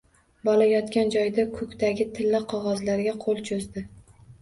Bola yotgan joyida ko‘kdagi tilla qog‘ozlarga qo‘l cho‘zdi.